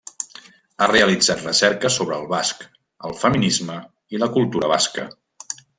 Ha realitzat recerques sobre el basc, el feminisme i la cultura basca.